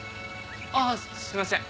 ああすいません